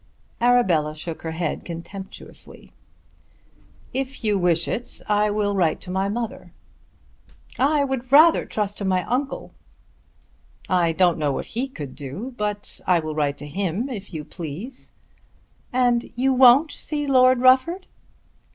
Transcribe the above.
Arabella shook her head contemptuously. "If you wish it I will write to my mother." "I would rather trust to my uncle." "I don't know what he could do; but I will write to him if you please." "And you won't see Lord Rufford?"